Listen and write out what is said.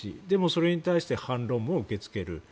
でも、それに対して反論も受け付ける。